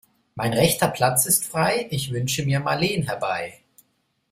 Mein rechter Platz ist frei, ich wünsche mir Marleen herbei.